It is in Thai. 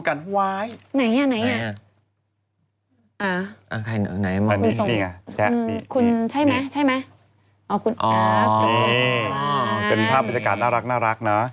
คุณใช่ไหมคุณอาร์ฟกับคุณสงกรานเป็นภาพบรรยากาศน่ารักน่ารักนะ